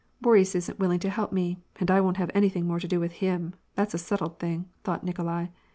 " Boris isn't willing to help me, and I won't have anything more to do with him, that's a settled thing," thought Nikolai.